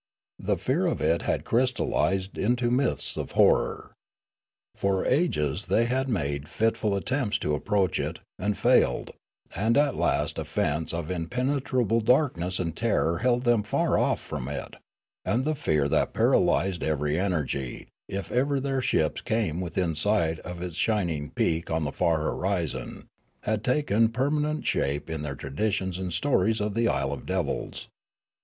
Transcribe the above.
Their fear of it had crystallised OD 8 Riallaro into myths of horror. For ages they had made fitful attempts to approach it, and failed, and at last a fence of impenetrable darkness and terror held them far off from it ; and the fear that paralysed every energy, if ever their ships came within sight of its shining peak on the far horizon, had taken permanent shape in their traditions and stories of the isle of devils.